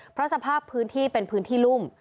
เพราะสภาพพื้นที่เป็นพื้นที่รุ่ม